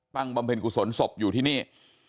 บำเพ็ญกุศลศพอยู่ที่นี่